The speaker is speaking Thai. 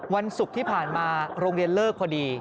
วันศุกร์ที่ผ่านมาโรงเรียนเลิกพอดี